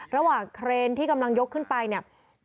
ระหว่างเครนที่กำลังยกขึ้นไปเนี่ย